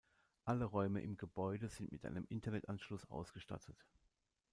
Alle Räume im Gebäude sind mit einem Internetanschluss ausgestattet.